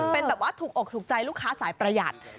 เป็นแบบว่าถูกอกถูกใจลูกค้าสายประหยัด